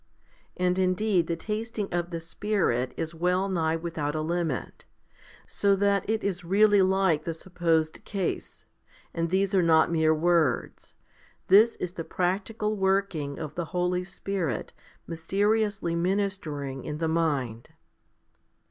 And indeed the tasting of the Spirit is well nigh without a limit, so that it is really like the supposed case. And these are not mere words. This is the practical working of the Holy Ghost mysteriously ministering in the mind.